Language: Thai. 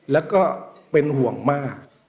แล้วก็เป็นห่วงมาก